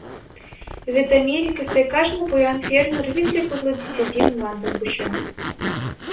Вет Америкысе кажне поян фермер витле-кудло десятин мландым куча.